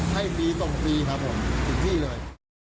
ให้ฟรี๒ปีครับผมถึงที่เลย